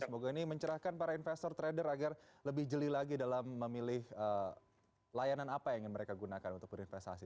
semoga ini mencerahkan para investor trader agar lebih jeli lagi dalam memilih layanan apa yang ingin mereka gunakan untuk berinvestasi